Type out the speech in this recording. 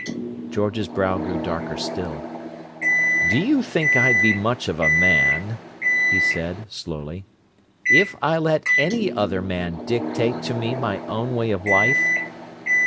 George's brow grew darker still. "Do you think I'd be much of a man," he said, slowly, "if I let any other man dictate to me my own way of life?"